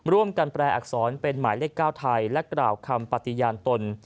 แปลอักษรเป็นหมายเลข๙ไทยและกล่าวคำปฏิญาณตน